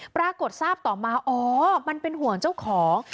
ปรากฏทราบต่อมาอ๋อมันเป็นห่วงเจ้าของ